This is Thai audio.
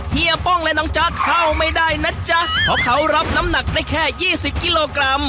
เฮีป้องและน้องจ๊ะเข้าไม่ได้นะจ๊ะเพราะเขารับน้ำหนักได้แค่ยี่สิบกิโลกรัม